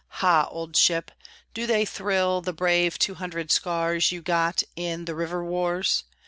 Ha, old ship! do they thrill, The brave two hundred scars You got in the River Wars?